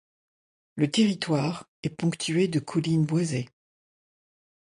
Le territoire est ponctué de collines boisées.